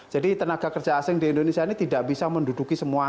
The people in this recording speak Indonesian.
jadi tenaga kerja asing di indonesia ini tidak bisa menduduki semua jabatan